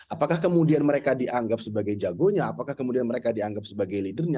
apakah kemudian mereka dianggap sebagai jagonya apakah kemudian mereka dianggap sebagai leadernya